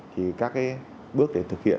thì các bước để thực hiện